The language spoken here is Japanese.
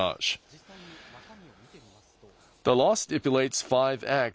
実際に中身を見てみますと。